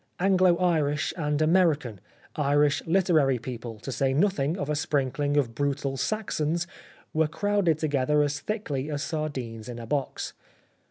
Anglo Irish and American, Irish literary people, to say nothing of a sprink ling of brutal Saxons, were crowded together as thickly as sardines in a box.